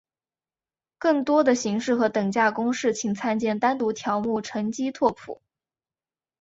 更多的形式和等价公式请参见单独条目乘积拓扑。